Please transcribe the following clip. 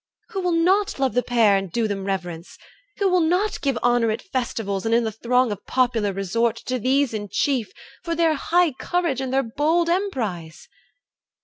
Who will not love the pair And do them reverence? Who will not give Honour at festivals, and in the throng Of popular resort, to these in chief, For their high courage and their bold emprise?'